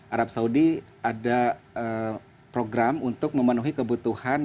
arab saudi ada program untuk memenuhi kebutuhan